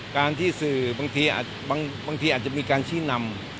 การที่สื่อบางทีอาจบางทีอาจจะมีการชี้นำ